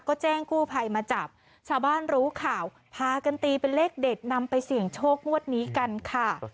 ก็แจ้งกู้ภัยมาจับชาวบ้านรู้ข่าวพากันตีเป็นเลขเด็ดนำไปเสี่ยงโชคงวดนี้กันค่ะ